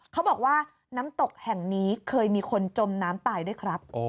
เขาบอกว่าน้ำตกแห่งนี้เคยมีคนจมน้ำตายด้วยครับ